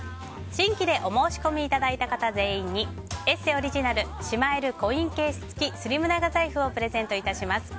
新規でお申し込みいただいた方全員に「ＥＳＳＥ」オリジナルしまえるコインケース付きスリム長財布をプレゼントいたします。